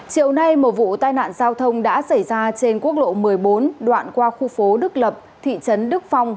chiều nay một vụ tai nạn giao thông đã xảy ra trên quốc lộ một mươi bốn đoạn qua khu phố đức lập thị trấn đức phong